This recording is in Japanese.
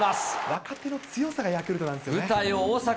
若手の強さがヤクルトなんですよね。